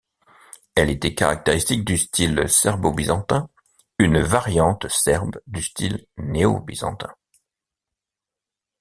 Elle est caractéristique du style serbo-byzantin, une variante serbe du style néo-byzantin.